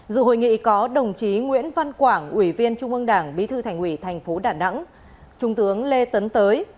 dù hội nghị có đồng chí nguyễn văn quảng ủy viên trung ương đảng bí thư thành ủy thành phố đà nẵng trung tướng lê tấn tới